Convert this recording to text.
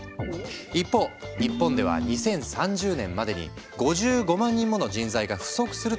一方日本では２０３０年までに５５万人もの人材が不足するとの予測が。